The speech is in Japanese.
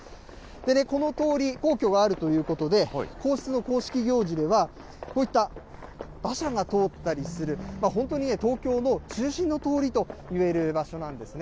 この通り、皇居があるということで、皇室の公式行事などではこういった馬車が通ったりする、本当に東京の中心の通りといえる場所なんですね。